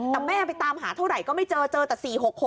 แต่แม่ไปตามหาเท่าไหร่ก็ไม่เจอเจอแต่๔๖๖